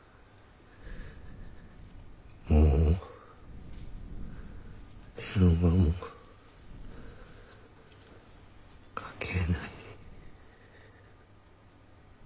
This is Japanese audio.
「もう電話もかけない」